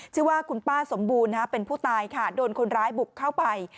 ชื่อว่าคุณป้าสมบูรณ์เป็นผู้ตายค่ะโดนคนร้ายบุกเข้าไป